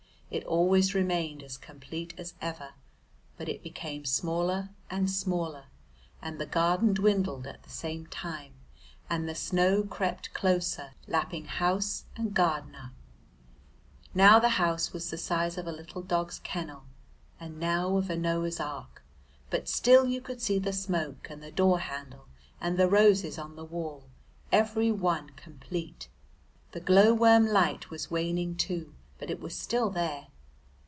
It always remained as complete as ever, but it became smaller and smaller, and the garden dwindled at the same time, and the snow crept closer, lapping house and garden up. Now the house was the size of a little dog's kennel, and now of a Noah's Ark, but still you could see the smoke and the door handle and the roses on the wall, every one complete. The glow worm light was waning too, but it was still there.